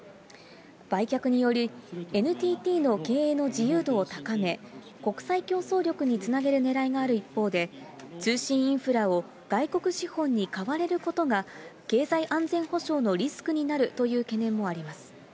売却により、ＮＴＴの経営の自由度を高め、国際競争力につなげるねらいがある一方で、通信インフラを外国資本に買われることが経済安全保障のリスクになるという懸念もあります。